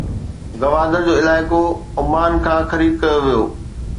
گوادر جو علائقو عمان کان خريد ڪيو ويو.